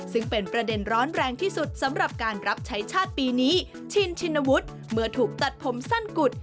ซึ่งเป็นประเด็นร้อนแรงที่สุดสำหรับการรับใช้ชาติปีนี้ชินชินวุฒิเมื่อถูกตัดผมสั้นกุด